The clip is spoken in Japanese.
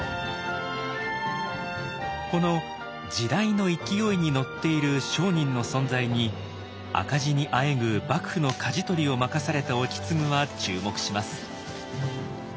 この時代の勢いに乗っている商人の存在に赤字にあえぐ幕府のかじ取りを任された意次は注目します。